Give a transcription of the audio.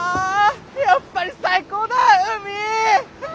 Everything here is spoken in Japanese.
やっぱり最高だ海！わ！